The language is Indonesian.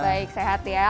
baik sehat ya